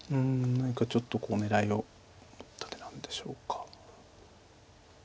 何かちょっと狙いを持った手なんでしょうか。